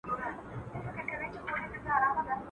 د کرنې وسایل په موزیمونو کې ساتل شوي.